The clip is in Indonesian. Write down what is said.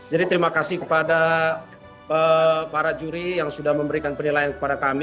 jadi terima kasih kepada para juri yang sudah memberikan penilaian kepada kami